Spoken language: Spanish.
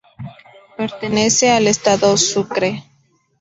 Pertenece al estado Sucre.